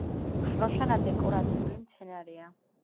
შროშანა დეკორატიული მცენარეა.